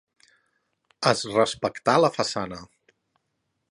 Es respectà la façana.